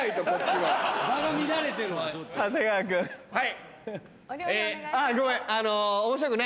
はい。